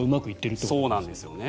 そうなんですね。